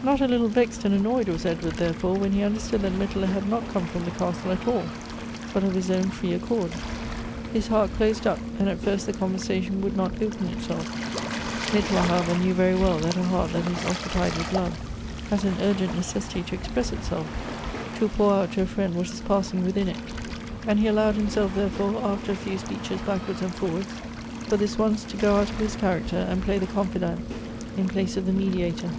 Not a little vexed and annoyed was Edw.ard, therefore, when he understood that Mittler had not come from the castle at all, but of his own free accord. His heart closed up, and at first the conversation would not open itself. Mittler, however, knew very well that a heart that is oc cupied with love has an urgent necessity to express itself — to pour out to a friend what is passing within it ; and Elective Affinities. 145 he allowed himself, therefore, after a few speeches back wards and forwards, for this once to go out of his charac ter, and play the confidant in place of the mediator.